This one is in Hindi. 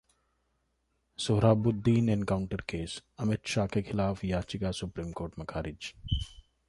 सोहराबुद्दीन एनकाउंटर केस: अमित शाह के खिलाफ याचिका सुप्रीम कोर्ट में खारिज